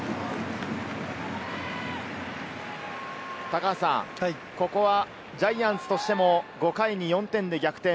高橋さん、ここはジャイアンツとしても５回に４点で逆転。